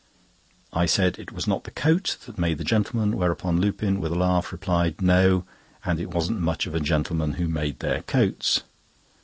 I said it was not the coat that made the gentleman; whereupon Lupin, with a laugh, replied: "No, and it wasn't much of a gentleman who made their coats."